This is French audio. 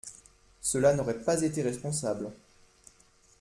Cela n’aurait pas été responsable.